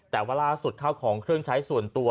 แต่ว่าล่าสุดข้าวของเครื่องใช้ส่วนตัว